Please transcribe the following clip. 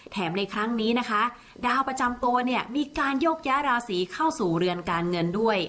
ในครั้งนี้นะคะดาวประจำตัวเนี่ยมีการโยกย้ายราศีเข้าสู่เรือนการเงินด้วย